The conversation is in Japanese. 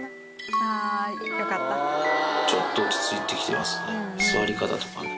ちょっと落ち着いてきてますね。